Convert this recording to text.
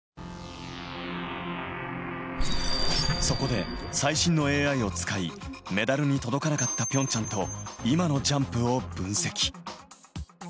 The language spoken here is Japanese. そこで最新のＡＩを使い、メダルに届かなかったピョンチャンと今のジャンプを分析。